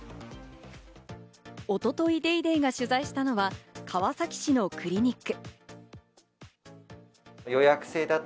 一昨日、『ＤａｙＤａｙ．』が取材したのは川崎市のクリニック。